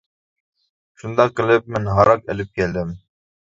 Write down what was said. شۇنداق قىلىپ مەن ھاراق ئېلىپ كەلدىم.